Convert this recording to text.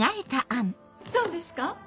どうですか？